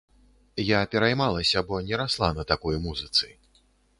Я пераймалася, бо не расла на такой музыцы.